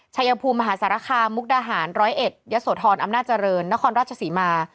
ชายภูมิมหาสารคามมุกดาหารร้อยเอ็ดยะโสธรอำนาจเจริญนครราชศรีมา